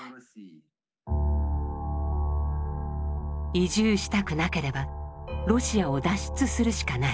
移住したくなければロシアを脱出するしかない。